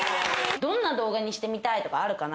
どんな動画にしてみたいとかあるかな？